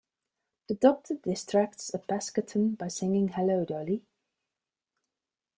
The Doctor distracts a Pescaton by singing Hello, Dolly!